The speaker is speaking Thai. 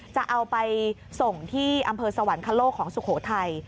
จะเอาไปส่งที่อำเภอสวรรคโลกของสุโขทัย